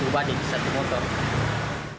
di rumahnya ihwan mengolesi sekitar sepuluh badik